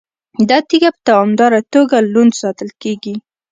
دا تیږه په دوامداره توګه لوند ساتل کیږي.